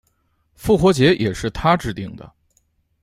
复活节也是他制定的。